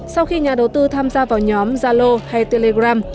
sau khi nhà đầu tư tham gia vào nhóm zalo hay telegram